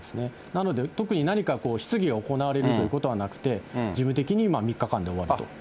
なので特に何か質疑が行われるということはなくて、事務的に３日間で終わると。